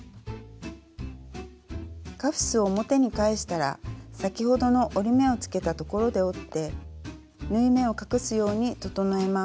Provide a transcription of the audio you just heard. カフスを表に返したら先ほどの折り目をつけたところで折って縫い目を隠すように整えます。